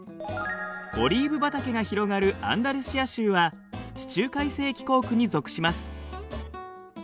オリーブ畑が広がるアンダルシア州は地中海性気候区に属します。